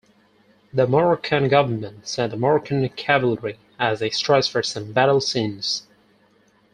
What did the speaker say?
The Moroccan government sent the Moroccan cavalry as extras for some battle scenes.